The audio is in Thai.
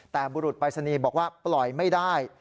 แต่บุรุษปรายศนีย์บอกว่าปล่อยไม่ได้